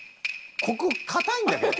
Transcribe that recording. ここ硬いんだけど。